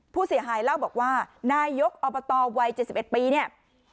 ผู้เสียหายเล่าบอกว่านายกอบตวัย๗๑ปีเนี่ย